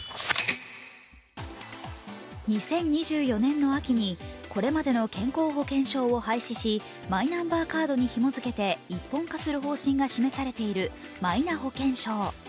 ２０２４年の秋にこれまでの健康保険証を廃止し、マイナンバーカードにひもづけて一本化する方針が示されているマイナ保険証。